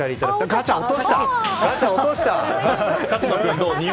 ガチャ、落とした！